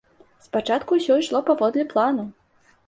Спачатку ўсё ішло паводле плану.